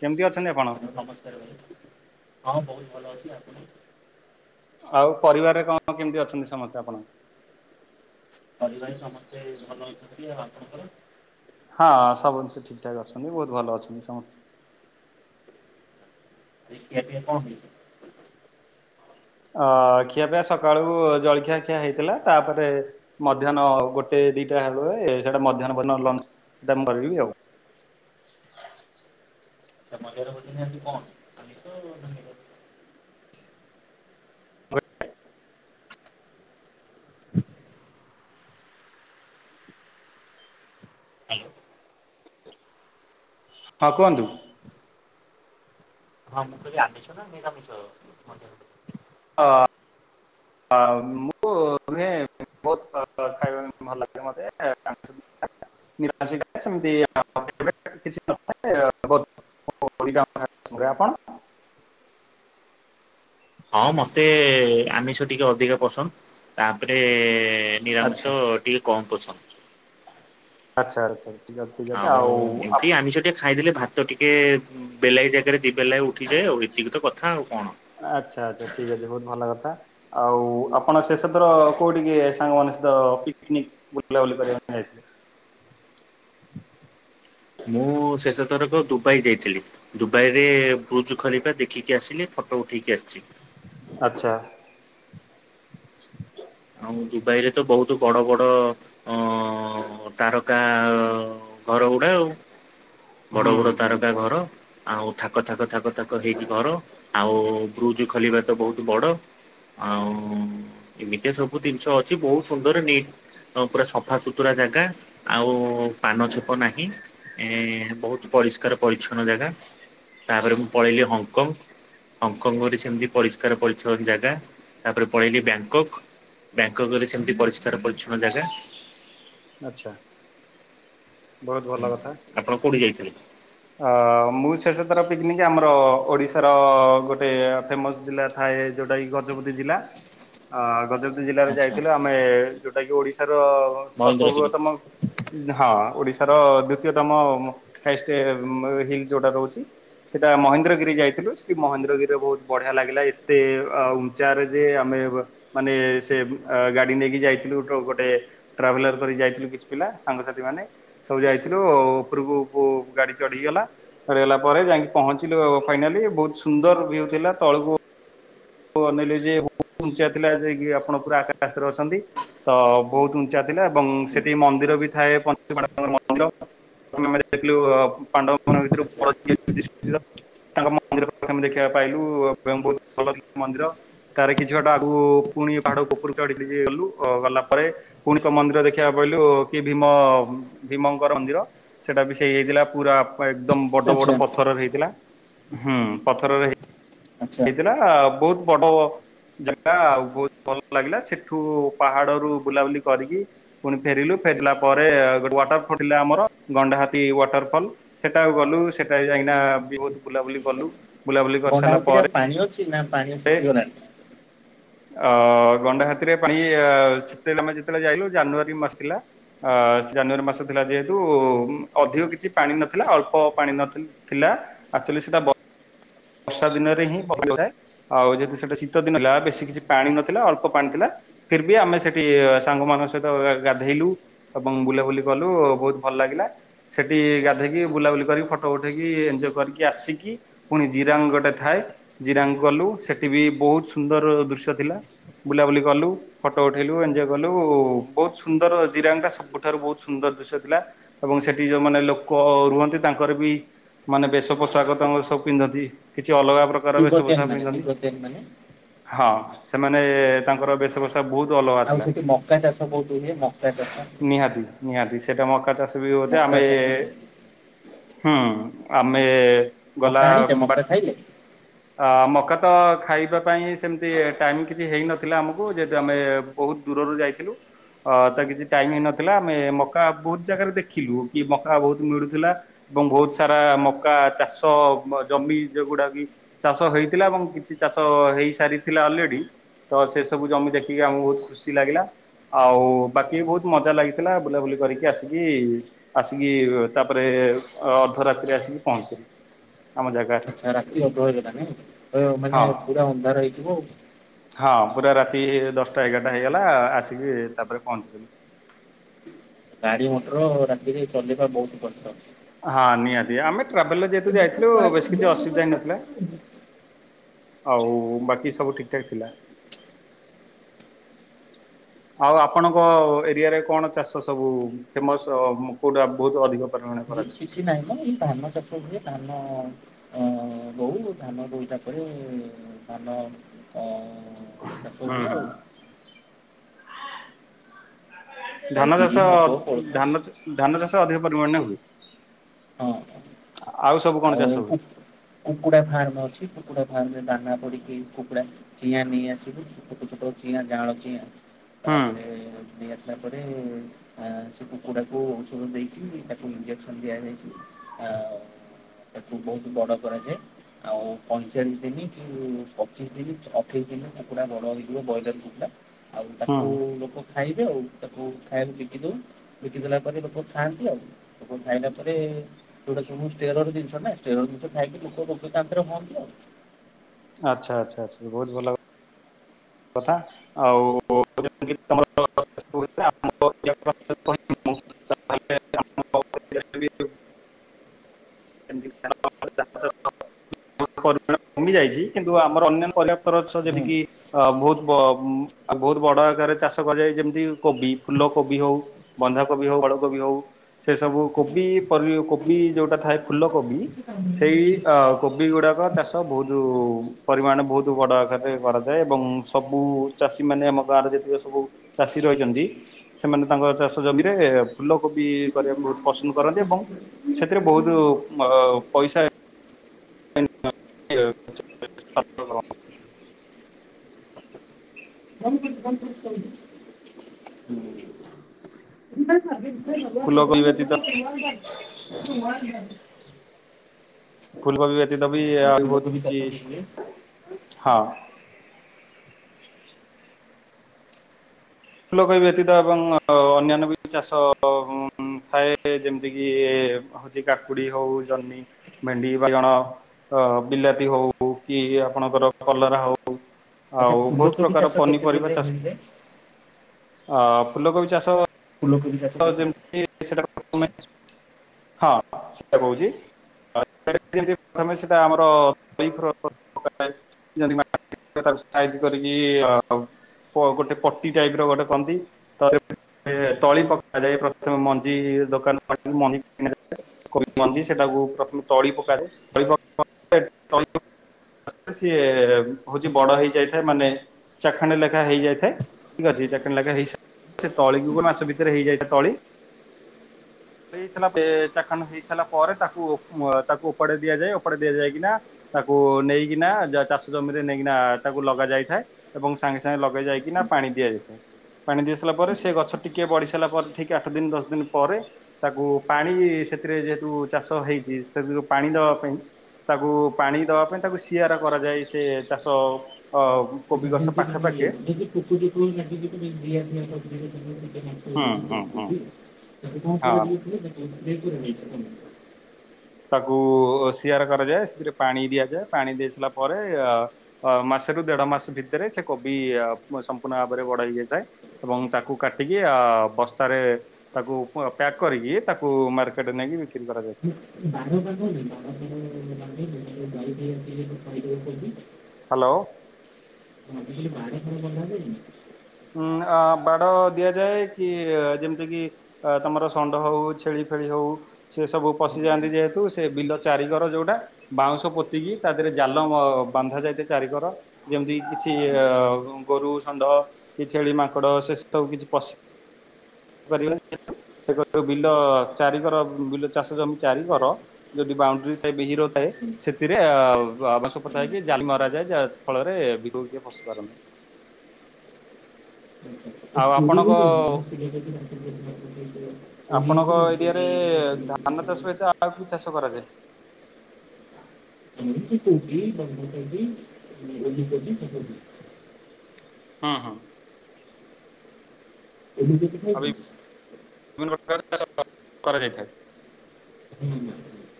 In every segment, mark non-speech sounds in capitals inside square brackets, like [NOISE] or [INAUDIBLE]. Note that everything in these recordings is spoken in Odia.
କେମିତି ଅଛନ୍ତି ଆପଣ? ନମସ୍କାର ଭାଇ, ହଁ ବହୁତ ଭଲ ଅଛି ଆପଣ। ଆଉ ପରିବାରରେ କଣ କେମିତି ଅଛନ୍ତି ସମସ୍ତେ ଆପଣ। ପରିବାରରେ ସମସ୍ତେ ଭଲରେ ଅଛନ୍ତି ଆପଣଙ୍କର ହଁ ସବୁ ଜିନିଷ ଠିକ ଠାକ୍ ଅଛନ୍ତି ବହୁତ ଭଲ ଅଛନ୍ତି ସମସ୍ତେ କେ ଅ ଖିଆ ପିଆ ସକାଳୁ ଜଳଖିଆ ଖିଆ ହେଇଥିଲା ତାପରେ ମଧ୍ୟାହ୍ନ ଗୋଟେ ସେ ଦିଟା ହୁଏ ସେଇଟା ମଧ୍ୟାହ୍ନ ମୁଁ କରିବି ଆଉ ମଜରବ କଣ ଆମିଷ ନା ନିରାମିଷ ହ୍ୟାଲୋ। ହଁ କୁହନ୍ତୁ। ହଁ ମୁଁ କହିଲି ଆମିଷ ନା ନିରାମିଷ। ମୁଁ ଭଲ ଲାଗିଲେ ଖାଏ। ଭଲ ଲାଗିଲେ ମୋତେ। ନିରାମିଷ ସେମିତି ଆପତ୍ତି କିଛି ନ ଥାଏ। ଆମିଷ ପସନ୍ଦ କି ଆପଣ। ହଁ ମତେ ଆମିଷ ଟିକେ ଅଧିକ ପସନ୍ଦ ତାପରେ ଆଚ୍ଛା ନିରାମିଷ ଟିକେ କମ ପସନ୍ଦ ଆଚ୍ଛା ଆଚ୍ଛା। ଠିକ୍ ଅଛି ଠିକ୍ ଅଛି ଆଉ ଏମିତି ଆମିଷ ଟେ ଖାଇଦେଲେ ଭାତ ତ ଟିକେ ବେଲାଇ ଜାଗାରେ ଦି ବେଳା ଉଠିଯାଏ ଆଉ ଏତିକି ତ କଥା ଆଉ କଣ। ଆଚ୍ଛା ଆଚ୍ଛା ଠିକ୍ ଅଛି ବହୁତ ଭଲ କଥା ଆଉ ଆପଣ ଶେଷଥର କୋଉଠିକେ ସାଙ୍ଗମାନଙ୍କ ସହିତ ପିକନିକ୍ ବୁଲାବୁଲି କରିବା ପାଇଁ ଯାଇଥିଲେ। [UNINTELLIGIBLE] ମୁଁ ଶେଷ ତରକ ଦୁବାଇ ଯାଇଥିଲି ଦୁବାଇରେ ବ୍ରୁଜ ଖଲିଫା ଦେଖିକି ଆସିଲି। ଫଟୋ ଉଠେଇକି ଆସିଛି। ଆଚ୍ଛା। [INAUDIBLE] ଆଉ ଦୁବାଇରେ ତ ବହୁତ ବଡ଼ ବଡ଼ ଅ - ହ ତାରକା ଘର ଗୁଡ଼ା ଆଉ ବଡ଼ ହୁଁ ବଡ଼ ହୁଁ ତାରକା ଘର। ଆଉ ଥାକ ଥାକ ଥାକ ଥାକ ହେଇକି ଘର ଆଉ ବ୍ରୁଜ ଖଲିଫା ତ ବହୁତ ବଡ଼। ଆଉ ଏମିତିଆ ସବୁ ଜିନିଷ ଅଛି ବହୁତ ସୁନ୍ଦର ନିଟ୍ ପୁରା ସଫା ସୁତୁରା ଜାଗା ଆଉ ପାନ ଛେପ ନାହିଁ ଏ ବହୁତ ପରିଷ୍କାର। ପରିଷ୍କାର ପରିଛନ୍ନ ଜାଗା ତାପରେ ମୁଁ ପଳେଇଲି ହଂକଂ ହଂକଂରେ ସେମିତି ପରିଷ୍କାର ପରିଚ୍ଛନ୍ନ ଜାଗା ତାପରେ ପଳେଇଲି ବ୍ୟାଙ୍କଙ୍ଗ ବ୍ୟାଙ୍କଙ୍ଗ ଗଲେ ସେମିତି ପରିଷ୍କାର ପରିଚ୍ଛନ୍ନ ଜାଗା। ଆଚ୍ଛା। ବହୁତ ହଁ ଭଲ କଥା। ଆପଣ କୋଉଠି ଯାଇଥିଲେ? ଅ ମୁଁ ଶେଷଥର ପିକନିକ୍ ଆମର ଓଡ଼ିଶାର ଗୋଟେ ଫେମସ ଜିଲ୍ଲା ଥାଏ। ଯୋଉଟା କି ଗଜପତି ଜିଲ୍ଲା ଅ ଗଜପତି ଜିଲ୍ଲାରେ ଆଚ୍ଛା ଯାଇଥିଲୁ ଆମେ ଯୋଉଟା କି ଓଡ଼ିଶାର ମହେନ୍ଦ୍ରଗିରି। ସର୍ବବୃହତମ ହଁ ଓଡ଼ିଶାର ଦ୍ଵିତୀୟତମ ହାଇଷ୍ଟ ହିଲ୍ ଯୋଉଟା ରହୁଛି। ସେଟା ମହେନ୍ଦ୍ରଗିରି ଯାଇଥିଲୁ ସେଠି ମହେନ୍ଦ୍ରଗିରିରେ ବହୁତ ବଢ଼ିଆ ଲାଗିଲା ଏତେ ଅ ଉଚ୍ଚାରେ ଯେ ଆମେ ମାନେ ସେ ଗାଡ଼ି ନେଇକି ଯାଇଥିଲୁ ଗୋଟେ ଟ୍ରାଭେଲର କରି ଯାଇଥିଲୁ କିଛି ପିଲା। ସାଙ୍ଗସାଥି ମାନେ ସବୁ ଯାଇଥିଲୁ ଆଉ ଉପରକୁ ଗାଡ଼ି ଚଢ଼ିଗଲା ଚଢ଼ିଗଲା ପରେ ଯାଇକି ପହଞ୍ଚିଲୁ ଫାଇନାଲି ବହୁତ ସୁନ୍ଦର ଭ୍ୟୁ ଥିଲା ତଳକୁ ତଳକୁ ଅନେଇଲେ ଯେ ବହୁତ୍ ଉଚ୍ଚାଥିଲା ଯାଇକି ଆପଣ ପୁରା ଆକାଶରେ ଅଛନ୍ତି ତ ବହୁତ ଉଚ୍ଚା ଥିଲା ଏବଂ ସେଠି ମନ୍ଦିର ବି ଥାଏ ପଞ୍ଚଲିଙ୍ଗେଶ୍ୱର ମନ୍ଦିର ଦେଖିଲୁ ପାଣ୍ଡବ ମାନଙ୍କ [INAUDIBLE] ତାଙ୍କ ମନ୍ଦିର ପା ଦେଖିବା ପାଇଁ ଭ୍ୟୁ ବହୁ ଭଲ ମନ୍ଦିର ତାର କିଛି ବାଟ ଆଗକୁ ପୁଣି ପାହାଡ ଉପରୁ ଚଢିଲି ଯଏ ଗଲୁ ଗଲା ପରେ ପୁଣିଙ୍କ ମନ୍ଦିର ଦେଖିବା ପରେ କହିଲୁ କି ଭୀମ ଭୀମଙ୍କର ମନ୍ଦିର ସେଟା ବି ସେଇ ହେଇଥିଲା ପୁରା ଏକଦମ ବଡ ଆଚ୍ଛା ବଡ ପଥରରେ ହେଇଥିଲା ହୁଁ ପଥରରେ ହେଇ ଆଚ୍ଛା। [INAUDIBLE] ବହୁତ ବଡ ଜାଗା ଆଉ ବହୁତ ଭଲ ଲାଗିଲା ସେଠୁ ପାହାଡରୁୁ ବୁଲାବୁଲି କରିକି ପୁଣି ଫେରିଲୁ ଫେରିଲା ପରେ ଗୋଟେ ୱାଟର ଫଲ ଥିଲା ଆମର ଗଣ୍ଡାହାୀ ୱାଟର ଫଲ ସେଟାକୁ ଗଲୁ ସେଟା ଯାଇ ବି ବହୁତ ବୁଲାବୁଲି କଲୁ ବୁଲାବୁଲି କରି ଗଣ୍ଡା ସାରିଲା ହାତୀରେ ଆଉ ପରେ ପାଣି ଅଛି ନାଁ ପାଣି ର ସୁଖୀ ଗଲାଣି? ଅ ଗଣ୍ଡା ହାତୀରେ ପାଣି ସେତେବେଳେ ଆମେ ଯେତେବେଳେ ଯାଇଲୁ ଜାନୁଆରୀ ମାସ ଥିଲା ଅ ଜାନୁଆରୀ ମାସ ଥିଲା ଯେହେତୁ ଅଧିକ କିଛି ପାଣି ନଥିଲା ଅଳ୍ପ ପାଣି ନ ଥିଲା ଆଚୁଲି ସେଟା [UNINTELLIGIBLE] ବର୍ଷା ଦିନରେ ହିଁ। ଥାଏ ଆଉ ଯଦି ସେଟା ଶୀତ ଦିନ ହେଲା ବେଶୀ କିଛି ପାଣି ନଥିଲା ଅଳ୍ପ ପାଣି ଥିଲା ଫିରିବ ଆମେ ସେଠି ସାଙ୍ଗ ମାନଙ୍କ ସହିତ ଗାଧେଇଲୁ ଏବଂ ବୁଲାବୁଲି କଲୁ ବହୁତ ଭଲ ଲାଗିଲା ସେଠି ଗାଧେଇକି ବୁଲାବୁଲି କରିକି ଫଟୋ ଉଠେଇକି ଏଞ୍ଜୟ କରିକି ଆସିକି ପୁଣି ଜିରାଙ୍ଗ ଗୋଟେ ଥାଏ। ଜିରାଙ୍ଗ କଲୁ ସେଠି ବି ବହୁତ ସୁନ୍ଦର ଦୃଶ୍ୟ ଥିଲା। ବୁଲାବୁଲି କଲୁ, ଫଟୋ ଉଠେଇଲୁ, ଏଞ୍ଜୋଅୟ୍ କଲୁ ବହୁତ ସୁନ୍ଦର ଜିରାଙ୍ଗ୍ ଟା ସବୁଠାରୁ ବହୁତ ସୁନ୍ଦର ଦୃଶ୍ୟ ଥିଲା ଏବଂ ସେଠି ଯେଉଁମାନେ ଲୋକ ରୁହନ୍ତି ତାଙ୍କର ବି ମାନେ ବେଶ ପୋଷାକ ତାଙ୍କର ସବୁ ପିନ୍ଧନ୍ତି କିଛି ଅଲଗା ଦ୍ବାରା ବେଶଭୋଷାକ ପିନ୍ଦନ୍ତି। ମାନେ ହଁ, ସେମାନେ ତାଙ୍କର ବେଶଭୋଷା ତା ବହୁତ ଅଲଗା ଆଉ ଥିଲା ସେଠି ମକା ଚାଷ ବହୁତ ହୁଏ ମକା ଚାଷ ନିହାତି ନିହାତି ସେ ସେଇଟା ମକା ଚାଷ୍ ବି ହଉଛି। ମକା ଆମେ ଚାଷ ହୁଁ ଆମେ ମକା ଗଲା ଆଣିଲେ ବାଟ୍ ପାଇଲେ ଆ ମକା ତ ଖାଇବା ପାଇଁ ସେମିତି ଟାଇମ୍ କିଛି ହେଇନଥିଲା ଆମକୁ ଯେହେତୁ ଆମେ ବହୁତ ଦୂରରୁ ଯାଇଥିଲୁ। ଅ ତ କିଛି ଟାଇମ୍ ହେଇ ନଥିଲା। ଆମେ ମକା ବହୁତ ଜାଗାରେ ଦେଖିଲୁ କି ମକା ବହୁତ ମିଳୁଥିଲା। ଏବଂ ବହୁତ ସାରା ମକା ଚାଷ ମ ଜମି ଯୋଉଗୁଡା କି ଚାଷ ହେଇଥିଲା ଏବଂ କିଛି ଚାଷ ହେଇସାରିଥିଲା ଅଲରେଡି ତ ସେ ସବୁ ଜମି ଦେଖିକି ଆମକୁ ବହୁତ ଖୁସି ଲାଗିଲା। ଆଉ ବାକି ବହୁତ ମଜା ଲାଗିଥିଲା ବୁଲାବୁଲି କରିକି ଆସିକି ଆସିକି ତାପରେ ଟେଲ ଅର୍ଦ୍ଧରାତ୍ରିରେ ଆସିକି ପହଞ୍ଚିଲୁ ଆମ ଜାଗା। ରହିଗଲା ନାଇ ଅ ମାନେ ପୁରା ଅନ୍ଧାର ହେଇଥିବ ଆଉ। ହଁ ପୁରା ରାତି ଦଶଟା ଏଗାରଟା ହେଇଗଲା ଆସିକି ତାପରେ ପହଞ୍ଚିଥିଲୁ। ଗାଡି ମଟର ରାତିରେ ଚଲେଇବା ବହୁତ କଷ୍ଟ। ହଁ ନିହାତି ଆମେ ଟ୍ରାଭେଲରେ ଯେହେତୁ ଯାଇଥିଲୁ ବେଶି କିଛି ଅସୁବିଧା ହେଇନଥିଲା। ଆଉ ବାକି ସବୁ ଠିକଠାକ୍ ଥିଲା? ଆଉ ଆପଣଙ୍କ ଏରିଆରେ କ'ଣ ଚାଷ ସବୁ ଫେମସ କଉଟା ବହୁତ ଅଧିକ? ପରିମାଣରେ ୟେ କରାଯାଏ? କିଛି ନାହିଁ ମ ଏଇ ଧାନ ଚାଷ ହୁଏ। ଧାନ ଅ ଦଉ ଧାନ ଦୋଇ ତାପରେ ଧାନ ଅ ଅ ଚାଷ ହୁଁ ହୁଏ ହୁଁ ଆଉ। ଆଉ ବିରି ଧାନଚାଷ ମୁଗ କୋଳଥ ଧାନ ଧାନଚାଷ ଅଧିକ ପରିମାଣରେ ହୁଏ। ହଁ। ଆଉ ସବୁ କ'ଣ ଚାଷ ହୁଏ। କୁକୁଡା ଫାର୍ମ ଅଛି। କୁକୁଡା ଫାର୍ମରେ ଦାନା ପଡିକି କୁକୁଡା ଚିଆଁ ନେଇ ଆସିବୁ। ଛୋଟ ଛୋଟ ଚିଆଁ ଜାଁଳ ଚିଆଁ ହୁଁ ତାପରେ ନେଇ ଆସି ତାପରେ ଅ ସେ କୁକୁଡ଼ାକୁ ଔଷଧ ଦେଇକି ତାକୁ ଇଞ୍ଜେକ୍ସନ ଦିଆଯାଇ ହଁ ବହୁତ ବଡ କରାଯାଏ ଆଉ ପଇଁଚାଳିଶ ଦିନ କି ପଚିଶ ଦିନ ଅଠେଇଶି ଦିନ କୁକୁଡ଼ା ବଡ ହେଇଯିବ ବଏଲର୍ କୁକୁଡ଼ା ଆଉ ହୁଁ ତାକୁ ଲୋକ ଖାଇ ଦିଆଉ ତାକୁ ଖାଇବାକୁ ବିକି ଦଉ ବିକିଦେଲା ପରେ ଲୋକ ଖାଆନ୍ତି ଆଉ ଲୋକ ଥରେ ସେଟା ଶୁଣୁନୁ ଷ୍ଟେରଏଡ ଜିନିଷ ନା ଷ୍ଟେରଏଡ ଜିନିଷ ଖାଇକି ଲୋକ [UNINTELLIGIBLE] ହଅନ୍ତି ଆଉ। ଆଚ୍ଛା ଆଚ୍ଛା ଆଚ୍ଛା ବହୁତ ଭଲ କଥା ଆଉ [UNINTELLIGIBLE] [UNINTELLIGIBLE] [UNINTELLIGIBLE] କମି ଯାଇଛି କିନ୍ତୁ ଆମର ଅନ୍ୟାନ୍ୟ ପରଯାପ୍ତ ଗଛ ହୁଁ। ଯେତିକି ଅ ବହୁତ ବ ବହୁତ ବଡ ଆକାରରେ ଚାଷ କରାଯାଏ ଯେମିତି କୋବି ଫୁଲକୋବି ହଉ ବନ୍ଧାକୋବି ହଉ ବଡକୋବି ହଉ। ସେ ସବୁ କୋବି ପରି କୋବି ଯୋଉଟା ଥାଏ ଫୁଲକୋବି ସେଇ ଅ କୋବି ଗୁଡ଼ାକ ଚାଷ ବହୁତ ପରିମାଣ ବହୁତ ବଡ଼ ଆକ୍ କାରେ କରାଯାଏ ଏବଂ ସବୁ ଚାଷୀମାନେ ଆମ ଗାଁରେ ଯେତିକ ସବୁ ଚାଷୀ ରହିଛନ୍ତି ସେମ୍ ସେମାନେ ତାଙ୍କ ଚାଷ ଜମିରେ ଫୁଲକୋବି ଆଚ୍ଛା କରିବାକୁ ବହୁତ୍ ପସନ୍ଦ କରନ୍ତି ଏବଂ ଆଚ୍ଛା ସେଥିରେ ବହୁତ ଅ ପଇସା [UNINTELLIGIBLE] ବନ୍ଦ କରିଦେ ବନ୍ଦ କରିଦେ ଶୋଇଛି। [INAUDIBLE] ଫୁଲକୋବି ବ୍ୟତୀତ [UNINTELLIGIBLE] ଫୁଲକବି ବ୍ୟତିତ ବି ଏହାର ବହୁତ ଫୁଲକୋବି ଚାଷ କିଛି ବି ହୁଏ ହଁ। ଫୁଲକବି ବ୍ୟତୀତ ଏବଂ ଅନ୍ୟାନ୍ୟ ବି ଚାଷ ଥାଏ ଯେମିତି କିି ହଉଚି କାକୁଡି ହଉ, ଜହ୍ନି, ଭେଣ୍ଡି, ବାଇଗଣ। ଅ ବିଲାତି ହଉ କି ଆପଣଙ୍କର କଲରା ହଉ। ଆଚ୍ଛା ଆଉ ବହୁତ ଫୁଲକୋବି ପ୍ରକାର ଚାଷ କେତେ ପନିପରିବା ଦିନରେ ଚାଷ ହେଇଯାଏ ଆ ଫୁଲକୋବି ଚାଷ ଫୁଲକୋବି ଚାଷ କେତେ ତମେ ହଁ ସେଟା କହୁଚି। [UNINTELLIGIBLE] ମେ ସେଟା ଆମର [UNINTELLIGIBLE] ତା ସାଇଜ କରିକି ଅ ଗୋଟେ ପଟି ଟାଇପ ର ଗୋଟେ କନ୍ତି ତ ତଳି ପକାଯାଏ। ପ୍ରଥମେ ମଞ୍ଜି ଦୋକାନ ମଞ୍ଜି କି [UNINTELLIGIBLE] କ ମଞ୍ଜି ସେଟାକୁ ପ୍ରଥମେ ତଳି ପକାଯାଏ। ତଳି ପ [UNINTELLIGIBLE] ରେ ସିଏ ହଉଚି ବଡ ହେଇଯାଇଥାଏ। ମାନେ ଚାଖଣ୍ଡ ଲେଖା ହେଇଯାଇଥାଏ। ଠିକ୍ ଅଛି ଚାଖଣ୍ଡେ ଲେଖା ହେଇ ସେ ଆଚ୍ଛା ତଳିକୁୁଗ ମାସ ଭ ରେ ହେଇଯାଇଥାଏ ତଳି। [INAUDIBLE] ଇାରା ଚାଖାନ ହେଇସାରିଲା ପରେ ତାକୁ ତାକୁ ଓ ଓପାଡ଼ି ଦିଆଯାଏ ଉପଡି ଦିଆଯାଏକି ନା ତାକୁ ନେଇକିନା ଯ ଚାଷ ଜମିରେ ନେଇକିନା ତାକୁ ଲଗା ଯାଇଥାଏ ଏବଂ ସାଙ୍ଗେ ସାଙ୍ଗେ ଲଗେଇ ଯାଇକିନା ପାଣି ଣି ଦିଆଯାଇଥାଏ ପାଣି ଦିଆ ସାରିଲା ପରେ ସେ ଗଛ ଟିକେ କେ ବଢି ସାରା ପରେ ଠିକ ଆଠ ଦିନ ଦଶ ଦିନ ପରେ ତାକୁ ପାଣି ସେଥିରେ ଯେହେତୁ ଚାଷ ହେଇଚି ସବ ପାଣି ଦବା ପାଇଁ ତାକୁ ପାଣି ଦବା ପାଇଁ ତାକୁ ସିଆର କରାଯାଏ ସେ ଚାଷ ଅ କୋବି ଗଛ ପାଖେ ପାଖେ [UNINTELLIGIBLE] ହୁଁ ହୁଁ ହୁଁ [UNINTELLIGIBLE] ହଁ [UNINTELLIGIBLE] ତାକୁ ଶିଆର କରାଯାଏ ସେଥିରେ ପାଣି ଦିଆଯାଏ ପାଣି ଦେଇ ସାରିଲା ପରେ ମା ମାସେର ଦେଢ ମାସ ଭିତରେ ସେ କବି ସମ୍ପୂର୍ଣ ଭାବରେ ଗଡ ହେଇଯାଇଥାଏ ଏବଂ ତାକୁ କାଟିକି ଅ ବସ୍ତାରେ ତାକୁ ପ୍ୟାକ୍ କରିକି ତାକୁ ମାର୍କେଟରେ ନେଇକି ବିକ୍ରି କରାଯାଇଥାଏ। [UNINTELLIGIBLE] ହାଲୋ। ହଁ ବାହାର ବନ୍ଧା [UNINTELLIGIBLE] ହଁ ବାଡ଼ ଦିଆଯାଏ କି ଯେମିତି କିି ଆ ତମର ଷଣ୍ଢ ହଉ ଛେଳି ଛେଳି ହଉ ସେ ସବୁ ପଶିଯାଆନ୍ତି ଯେହେତୁ ସେ ବିଲ ଚାରିଗର ଯୋଉଟା ବାଉଁଶ ପୋତିକି ତା ଦେହରେ ଜାଲ ବ ବାନ୍ଧା ଯାଇଥା ଚାରିିକର ଯେମିତି କିଛି ଅ ଗୋରୁ, ଷଣ୍ଡ କି ଛେଳି, ମାଙ୍କଡ଼ ସେ ସବୁ କିଛି ପଶିପାରିବେନି ଆଉ। ସେ କ ବିଲ ଚାରି କର ବିଲ ଚାଷ ଜମି ଚାରି କରର ଯଦି ବାଉଣ୍ଡରି ଥାଏ ବି ହିର ଥାଏ। ସେଥିରେ ଆବାସ ପଥା ହେଇକି ଜାଲି ମରଆ ଯାଏ ଯାହା ଫଳରେ ଭିତରେ କିଏ ପଶି ପାରୁନି। [INAUDIBLE] ଆଉ ଚୁଡ଼ି ବି ଯ ଆପଣଙ୍କ [UNINTELLIGIBLE] ଆପଣଙ୍କ ଏରିଆରେ ଧାନ ଚାଷ କଲେ ସହିତ ଆଉ କି ଚାଷ କରାଯାଏ? [INAUDIBLE] ଆ ସେ କୋବି ବନ୍ଧାକୋବି ଉଲୁକୋବି ସେସବୁ। ହଁ ହଁ। ଏମ ତ ପିଠା ଆଉ ଖାଇଚନ୍ତି? ବିଭିନ୍ନ ପ୍ରକାର ଚା କରାଯାଇଥାଏ। ହଁ ଆଉ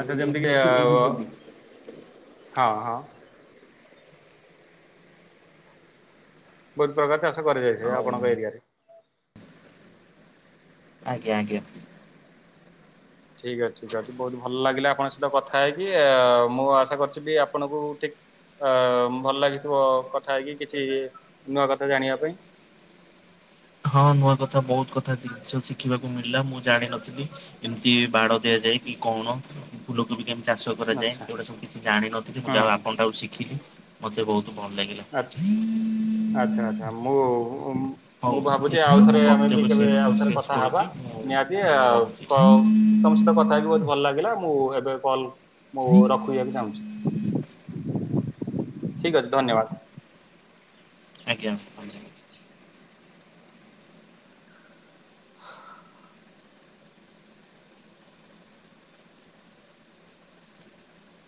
ଆଚଛା ଗୋଟେ ଯେମିତିକ ଆମର ଅଛି ଓଲିକୋବି ହଁ ହଁ। ବହୁତ ପ୍ରକାର ଚାଷ କରି ଯାଇଥିବ ଆଉ ଆପଣଙ୍କ ଏରିଆରେ। ଆଜ୍ଞା ଆଜ୍ଞା। ଠିକ ଅଛି। ଯଦି ବହୁତ ଭଲ ଲାଗିଲା ଆପଣଙ୍କ ସହିତ କଥା ହେଇକି। ମୁଁ ଆଶା କରିୁଛି ବି ଆପଣଙ୍କୁ ଠିକ ଅ ଭଲ ଲାଗିଥିବ କଥା ହେଇ କି କିଛି ନୂଆ କଥା ଜାଣିବା ପାଇଁ। ହଁ ନୂଆ କଥା ବହୁତ କଥା। ସବୁ ଶିଖିବାକୁ ମିଳିଲା ମୁଁ ଜାଣିନଥିଲି ଏମତି ବାଡ଼ ଦିଆଯାଏ କି କଣ। ଫୁଲକୁ ବି କେମିତି ଚାଷ କରାଯାଏ ଆଚ୍ଛା ଏଗୁଟା ସବୁ କିଛି ଜାଣିିନଥିଲି ମୁ ହୁଁ ଯାହା ହୁଁ ଆପଣଟା ଆଉ ଶିଖିଲି ମୋତେ ବହୁତ ଭଲ ଲାଗିଲା। ଆଚ୍ଛା। ଆଚ୍ଛା ଆଚ୍ଛା ମୁଁ ହଉ ମୁଁ ଭାବୁଛି ଏଥର ମୁଁ ଆଉଥରେ ଆମେ ବି ବକ୍ତବ୍ୟ କେବେ ଶେଷ ଆଉଥରେ ଶେଷ କଥା ହେବା କରୁଛି ମୁଁ ନିହାତି ଆ ତାହେଲେ ରହୁଛି କ ତମ ସହିତ କଥା ହେଇକି ବହୁତ ଭଲ ଲାଗିଲା ମୁଁ ଏବେ କଲ ମୁଁ ରଖିବାକୁ ଚାହୁଁଛି। ଠିକ ଅଛି ଧନ୍ୟବାଦ। ଆଜ୍ଞା।